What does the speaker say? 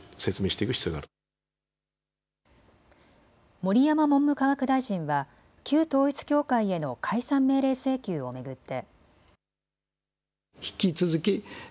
盛山文部科学大臣は旧統一教会への解散命令請求を巡って。